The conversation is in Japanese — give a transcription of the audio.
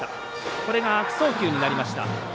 これが悪送球になりました。